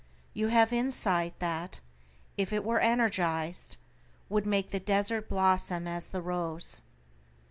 You have insight that, if it were energized, would make the desert blossom as the rose.